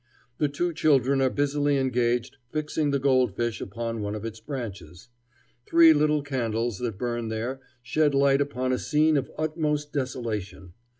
The two children are busily engaged fixing the goldfish upon one of its branches. Three little candles that burn there shed light upon a scene of utmost desolation.